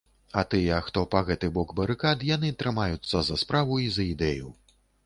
А тыя, хто па гэты бок барыкад, яны трымаюцца за справу і за ідэю.